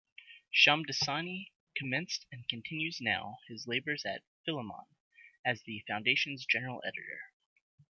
Shamdasani commenced and continues now his labors at Philemon as the foundation's General Editor.